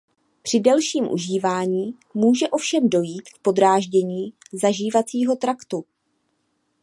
Při delším užívání může ovšem dojít k podráždění zažívacího traktu.